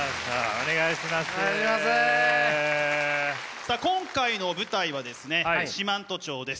さあ今回の舞台はですね四万十町です。